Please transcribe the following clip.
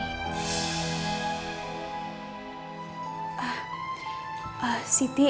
aku baru terima gaji pertama aku akhir minggu ini